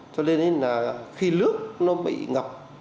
cho nên là khi nước bị ngập